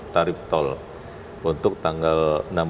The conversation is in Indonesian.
tarif tol untuk tanggal tujuh belas delapan belas sembilan belas